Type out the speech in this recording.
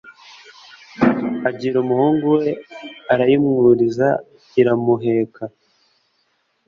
agira umuhungu arayimwuriza iramuheka